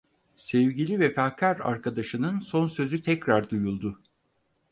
Sevgili vefakâr arkadaşının son sözü tekrar duyuldu.